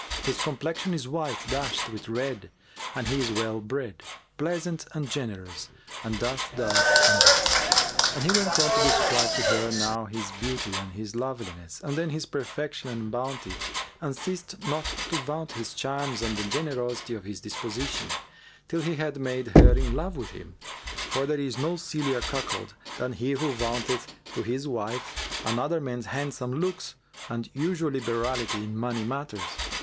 His complexion is white dashed with red and he is well bred, pleasant and generous and doth thus and thus." And he went on to describe to her now his beauty and loveliness and then his perfection and bounty and ceased not to vaunt his charms and the generosity of his disposition, till he had made her in love with him; for there is no sillier cuckold than he who vaunteth to his wife another man's handsome looks and unusual liberality in money matters.